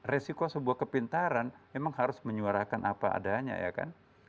resiko sebuah kepintaran memang harus menyuarakan apa adanya ya kan